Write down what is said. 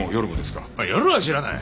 夜は知らない。